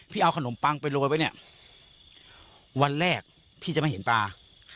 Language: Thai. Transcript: เอาขนมปังไปโรยไว้เนี่ยวันแรกพี่จะไม่เห็นปลา